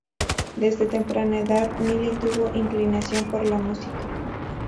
Desde temprana edad Milly tuvo inclinación por la música.